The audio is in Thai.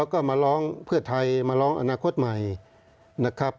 ก็มาร้องเพื่อไทยมาร้องอนาคตใหม่นะครับ